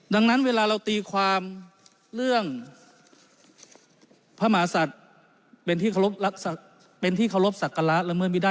ดังนั้นเวลาเราตีความเรื่องพระมหาศัตริย์เป็นที่เคารพศักระ